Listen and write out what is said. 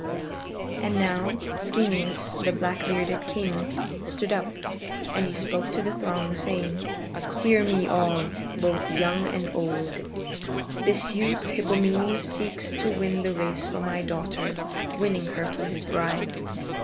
And now Schoeneus, the black bearded king, stood up, and he spoke to the throng, saying, "Hear me all, both young and old: this youth, Hippomenes, seeks to win the race from my daughter, winning her for his bride.